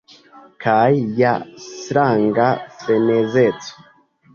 Kaj ja stranga frenezeco.